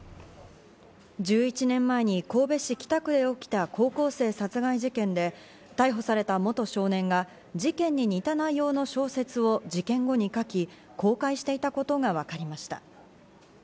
１１年前に神戸市北区で起きた高校生殺害事件で、逮捕された元少年が事件に似た内容の小説を事件後に書き、公開していたことがわかりました。